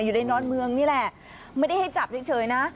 อยู่ในดอนเมืองนี่แหละไม่ได้ให้จับเพียงเฉยนะ